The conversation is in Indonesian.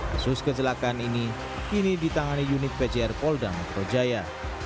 kasus kecelakaan ini kini ditangani unit pjr polda metro jaya